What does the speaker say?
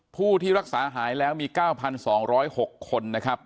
ผู้ที่รักษาหายแล้วมี๙๒๐๖คนนะครับ